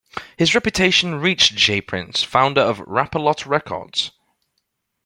His reputation reached J Prince, founder of Rap-A-Lot Records.